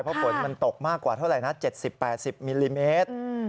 เพราะฝนมันตกมากกว่าเท่าไหร่นะ๗๐๘๐มิลลิเมตร